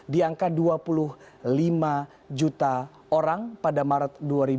di angka dua puluh lima juta orang pada maret dua ribu dua puluh